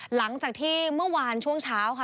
หลังจากที่เมื่อวานช่วงเช้าค่ะ